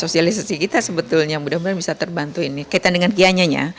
sosialisasi kita sebetulnya mudah mudahan bisa terbantu ini kaitan dengan kianya